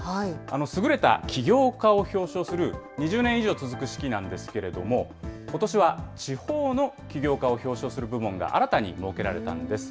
優れた起業家を表彰する２０年以上続く式なんですけれども、ことしは地方の起業家を表彰する部門が新たに設けられたんです。